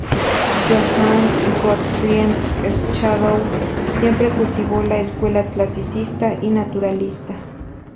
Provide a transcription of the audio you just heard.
Johann Gottfried Schadow siempre cultivó la escuela clasicista y naturalista.